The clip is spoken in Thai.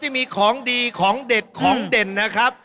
มีของดีของเด็ดของเด่นนะครับ